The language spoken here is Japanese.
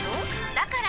だから！